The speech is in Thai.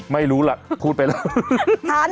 ไม่รู้ล่ะพูดไปแล้ว